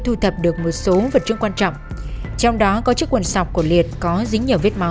tài nhà đối tượng các điều tra viên đã thu thập được một số vật chứng quan trọng trong đó có chiếc quần sọc của liệt có dính nhiều vết máu